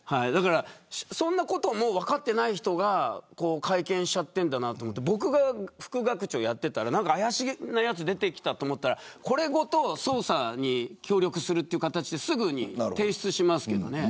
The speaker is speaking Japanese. そんなことも分かってない人が会見しちゃってるんだなと思って僕が副学長やっていて怪しげなやつが出てきたら捜査に協力するという形ですぐに提出しますけどね。